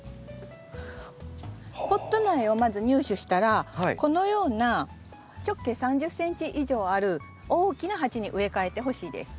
ポット苗をまず入手したらこのような直径３０ｃｍ以上ある大きな鉢に植え替えてほしいです。